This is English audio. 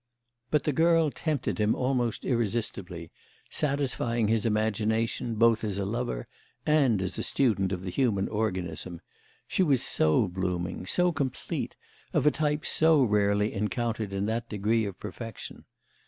But the girl tempted him almost irresistibly, satisfying his imagination both as a lover and as a student of the human organism; she was so blooming, so complete, of a type so rarely encountered in that degree of perfection.